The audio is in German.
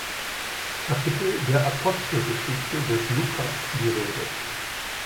Kapitel der Apostelgeschichte des Lukas die Rede.